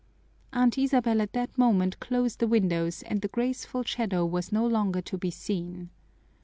Aunt Isabel at that moment closed the windows and the graceful shadow was no longer to be seen.